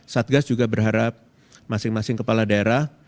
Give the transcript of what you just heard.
satgas juga berharap masing masing kepala daerah